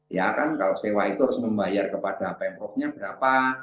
ya kan kalau sewa itu harus membayar kepada pemprovnya berapa